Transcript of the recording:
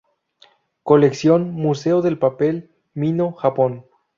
Colección Museo del papel, Mino, Japón.